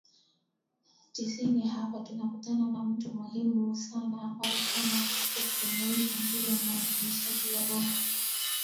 tisini Hapa tunakutana na mtu muhimu sana ambaye kama ukimuita ndiye mwanzilishi wa Bongo